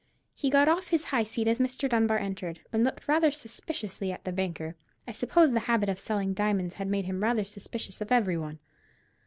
He got off his high seat as Mr. Dunbar entered, and looked rather suspiciously at the banker. I suppose the habit of selling diamonds had made him rather suspicious of every one.